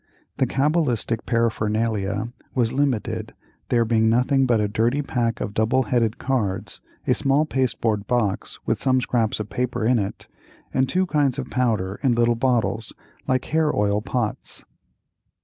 The cabalistic paraphernalia was limited, there being nothing but a dirty pack of double headed cards, a small pasteboard box with some scraps of paper in it, and two kinds of powder in little bottles, like hair oil pots.